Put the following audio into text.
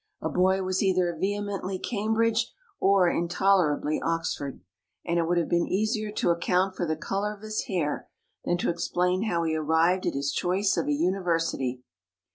A boy was either vehemently Cambridge or intolerably Oxford, and it would have been easier to account for the colour of his hair than to explain how he arrived at his choice of a university.